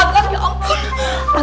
gan ya ampun